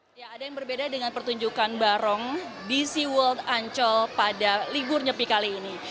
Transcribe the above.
ya ada yang berbeda dengan pertunjukan barong di seaworld ancol pada libur nyepi kali ini